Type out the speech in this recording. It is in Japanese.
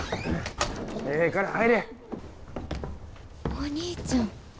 お兄ちゃん。